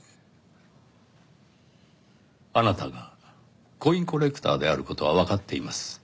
あなたがコインコレクターである事はわかっています。